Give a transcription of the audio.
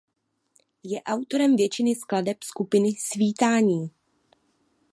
Je autorem většiny skladeb skupiny Svítání.